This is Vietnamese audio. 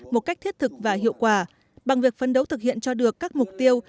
một cách thiết thực và hiệu quả bằng việc phấn đấu thực hiện cho được các mục tiêu